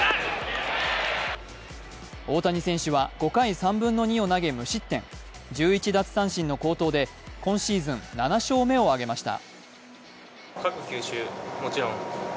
大谷選手は５回３分の２を投げ無失点１１奪三振の好投で、今シーズン７勝目を挙げました。